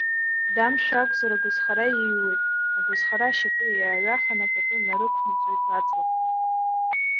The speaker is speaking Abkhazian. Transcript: Дамшә акәзар, агәазхара иҩуеит, агәазхара ашьапы иааҩаханы пату нарықәнаҵоит аҵлақәа.